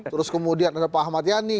terus kemudian ada pak ahmad yani